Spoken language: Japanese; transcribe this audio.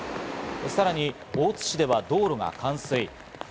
さらに大津市では道路が冠水。